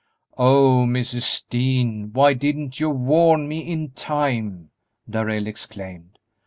"Oh, Mrs. Dean, why didn't you warn me in time?" Darrell exclaimed.